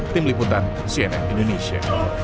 tim liputan cnn indonesia